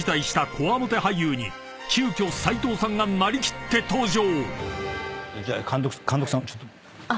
こわもて俳優に急きょ斉藤さんが成り切って登場］